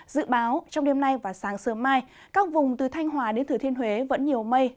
dự báo trong đêm nay và sáng sớm mai các vùng từ thanh hòa đến thừa thiên huế vẫn nhiều mây